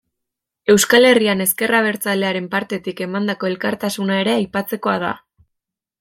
Euskal Herrian ezker abertzalearen partetik emandako elkartasuna ere aipatzekoa da.